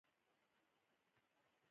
د کائناتو د پيدايښت تر شا څه راز پټ دی؟